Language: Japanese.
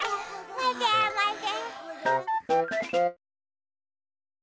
まてまて。